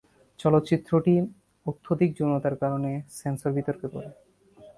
চলচ্চিত্রটি অত্যধিক যৌনতার কারণে সেন্সর বিতর্কে পড়ে।